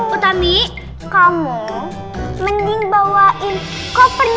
udah kebelakang mending pecat dia aja